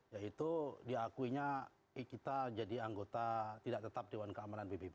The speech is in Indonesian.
yaitu diakuinya kita jadi anggota tidak tetap dewan keamanan pbb